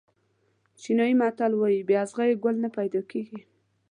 چینایي متل وایي بې اغزیو ګل نه پیدا کېږي.